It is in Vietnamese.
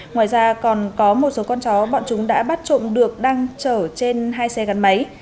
ngoài ra còn có một số con chó bọn chúng đã bắt trộm được đang chở trên hai xe gắn máy